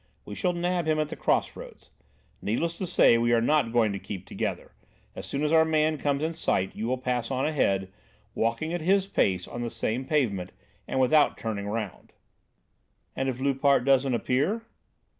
We shall nab him at the cross roads. Needless to say we are not going to keep together. As soon as our man comes in sight you will pass on ahead, walking at his pace on the same pavement and without turning round." "And if Loupart doesn't appear?"